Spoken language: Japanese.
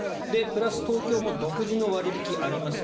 プラス東京も独自の割引があります。